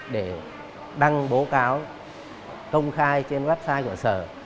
để đăng bố cáo công khai trên website của sở